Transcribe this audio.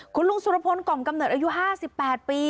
คุณลุงสุรพนธ์ก่อมกำเนิดอายุห้าสิบแปดปี